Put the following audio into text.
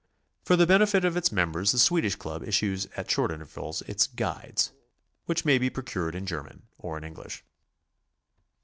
For the benefit of its members the Swedish Club issues at short intervals its "*Guides," which may be procured in German or in English.